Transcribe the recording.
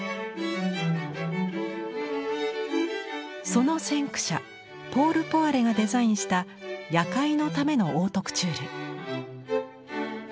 その先駆者ポール・ポワレがデザインした夜会のためのオートクチュール。